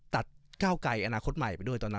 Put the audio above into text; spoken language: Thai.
ตัดเก้าไกลอาณาคตไหมไปด้วยตอนนั้น